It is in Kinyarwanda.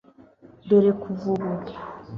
dore kuva ubu